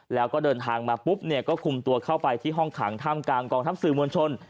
แล้วก็เดินทางมาปุ๊บเนี่ยก็คุมตัวเข้าไปที่ห้องขังท่ามกลางกองทัพสื่อมวลชน